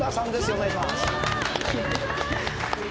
お願いします。